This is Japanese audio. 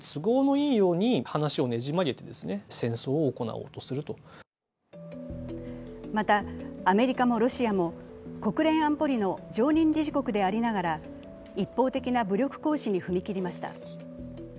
こうした点について専門家はまたアメリカもロシアも国連安保理の常任理事国でありながら、一方的な武力行使に踏み切りました。